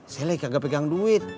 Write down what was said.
selek gak pegang duit